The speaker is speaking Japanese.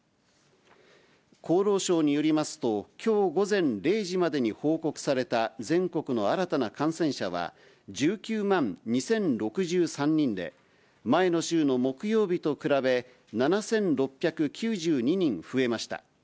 厚労省によりますと、きょう午前０時までに報告された全国の新たな感染者は、１９万２０６３人で、前の週の木曜日と比べ、７６９２人増えました。